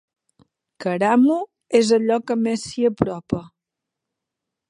Karamu és allò que més s'hi apropa.